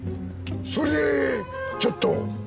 それでちょっと。